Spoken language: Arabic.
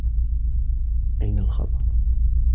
أين الخطأ؟